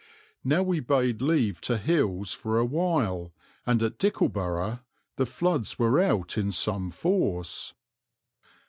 Now we bade leave to hills for a while, and at Dickleburgh the floods were out in some force.